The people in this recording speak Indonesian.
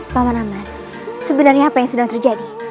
paman aman sebenarnya apa yang sedang terjadi